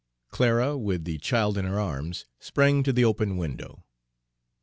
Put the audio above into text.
Clara, with the child in her arms, sprang to the open window.